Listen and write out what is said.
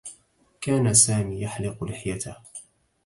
كان سامي يحلق لحيته.